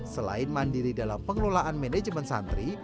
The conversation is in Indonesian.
selain mandiri dalam pengelolaan manajemen santri